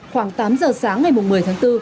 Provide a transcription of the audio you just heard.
khoảng tám giờ sáng ngày một mươi tháng bốn